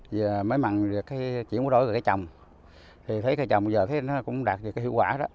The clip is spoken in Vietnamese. giờ mới mặn được cái chuyển mũ đổi của cái chồng thì thấy cái chồng bây giờ cũng đạt được cái hiệu quả đó